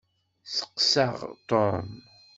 Steqseɣ Tom.